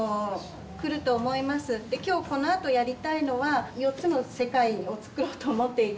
で今日このあとやりたいのは４つの世界をつくろうと思っていて。